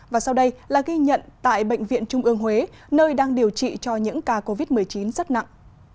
và sau đây là ghi nhận tại bệnh viện trung ương huế nơi đang điều trị cho những ca covid một mươi chín rất nặng